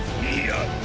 いいや！！